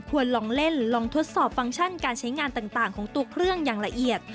ลองเล่นลองทดสอบฟังก์ชั่นการใช้งานต่างของตัวเครื่องอย่างละเอียด